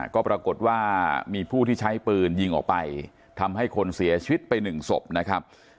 ก็ปรากฏว่ามีผู้ที่ใช้ปืนยิงออกไปทำให้คนเสียชีวิตไปหนึ่งศพนะครับ